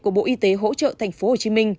của bộ y tế hỗ trợ tp hcm